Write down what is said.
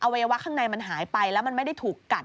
วัยวะข้างในมันหายไปแล้วมันไม่ได้ถูกกัด